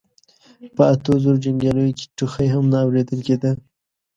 په اتو زرو جنګياليو کې ټوخی هم نه اورېدل کېده.